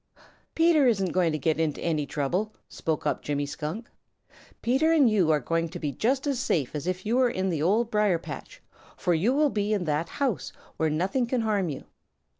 "Peter isn't going to get into any trouble," spoke up Jimmy Skunk. "Peter and you are going to be just as safe as if you were over in the Old Briar patch, for you will be in that old house where nothing can harm you.